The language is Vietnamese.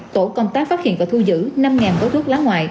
tổ công tác phát hiện và thu giữ năm gói thuốc lá ngoại